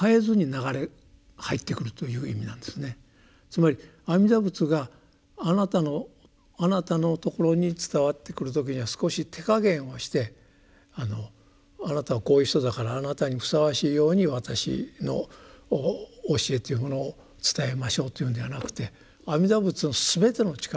つまり阿弥陀仏があなたのあなたのところに伝わってくる時には少し手加減をして「あなたはこういう人だからあなたにふさわしいように私の教えというものを伝えましょう」というんではなくて阿弥陀仏の全ての力をね